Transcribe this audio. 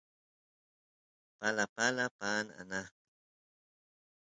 palapala paan anaqpi